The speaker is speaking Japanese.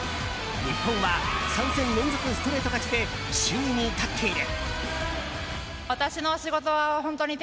日本は３戦連続ストレート勝ちで首位に立っている。